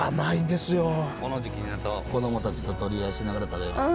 この時期になると子ども達ととり合いしながら食べますよ。